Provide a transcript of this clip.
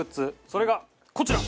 それがこちら。